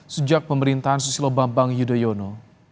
sejak pemerintahan susilo bambang yudhoyono